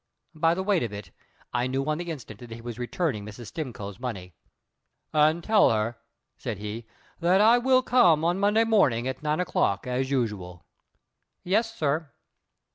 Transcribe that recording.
By the weight of it, I knew on the instant that he was returning Mrs. Stimcoe's money, "And tell her," said he, "that I will come on Monday morning at nine o'clock as usual." "Yes, sir."